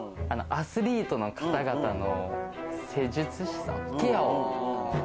アスリートの方々の施術師さん？